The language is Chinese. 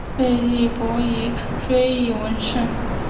废帝溥仪追谥文慎。